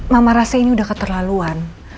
mama rasa ini udah keterlaluan